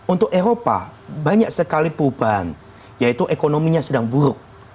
untuk eropa banyak sekali perubahan yaitu ekonominya sedang buruk